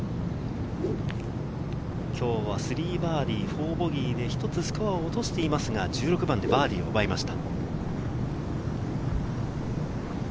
今日は３バーディー４ボギーで１つスコアを落としていますが、１６番でバーディーを奪いました。